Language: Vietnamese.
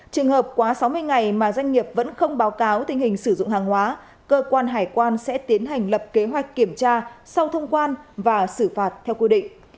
trường hợp quá sáu mươi ngày mà doanh nghiệp vẫn không báo cáo tình hình sử dụng hàng hóa cơ quan hải quan sẽ tiến hành lập kế hoạch kiểm tra sau thông quan và xử phạt theo quy định